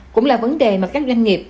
cũng là vấn đề mà các doanh nghiệp